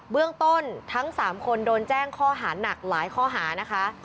เรื่องต้นทั้ง๓คนโดนแจ้งข้อหาหนักหลายข้อหานะคะ